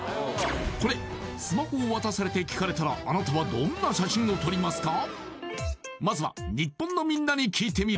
これスマホを渡されて聞かれたらあなたはどんな写真を撮りますか？